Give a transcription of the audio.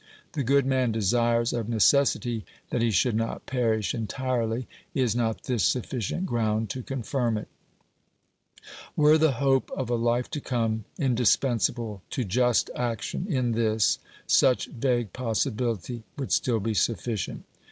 The good man desires of necessity that he should not perish entirely : is not this sufficient ground to confirm it ? Were the hope of a life to come indispensable to just action in this, such vague possibility would still be sufficient.